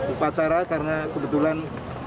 upacara karena kebetulan